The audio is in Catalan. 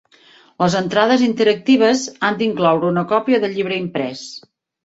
Les entrades interactives han d'incloure una còpia del llibre imprès.